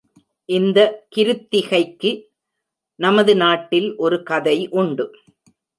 இந்த கிருத்திகைக்கு நமது நாட்டில் ஒருகதை உண்டு.